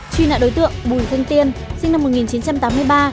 truy nạn đối tượng bùi thanh tiên sinh năm một nghìn chín trăm tám mươi ba